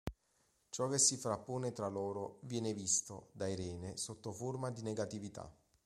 Ciò che si frappone tra loro viene visto, da Irene, sotto forma di negatività.